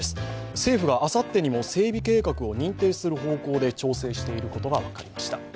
政府があさってにも整備計画を認定する方向で調整していること